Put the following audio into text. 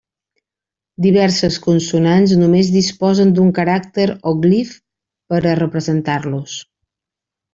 Diverses consonants només disposen d'un caràcter o glif per a representar-los.